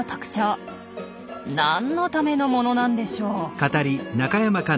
何のためのものなんでしょう？